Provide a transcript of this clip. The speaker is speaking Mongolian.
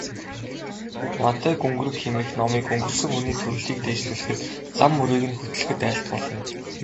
Вантай гүнгэрэг хэмээх номыг өнгөрсөн хүний төрлийг дээшлүүлэхэд, зам мөрийг нь хөтлөхөд айлтгуулна.